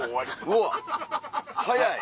うわ早い。